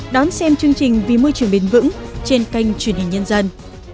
đón xem chương trình vì môi trường bền vững trên kênh truyền hình nhân dân